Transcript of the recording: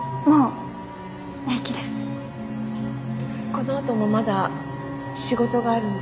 この後もまだ仕事があるんですか？